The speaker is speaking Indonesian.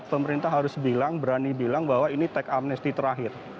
pemerintah harus berani bilang bahwa ini teks amnesti terakhir